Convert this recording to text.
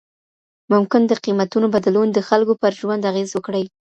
ممکن د قیمتونو بدلون د خلګو پر ژوند اغیز وکړي.